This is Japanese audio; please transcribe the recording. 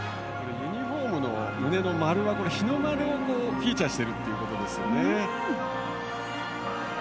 ユニフォームの胸の丸は日の丸をフィーチャーしているということですよね。